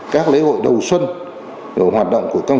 các lễ hội đầu xuân hoạt động của công